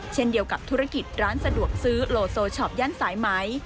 เช่นเดียวกับธุรกิจร้านสะดวกซื้อโลโซช็อปย่านสายไหม